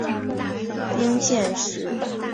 冰见市是日本富山县的一个城市。